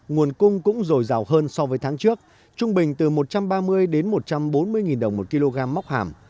nguồn cung cũng dồi dào hơn so với tháng trước trung bình từ một trăm ba mươi đến một trăm bốn mươi đồng một kg móc hàm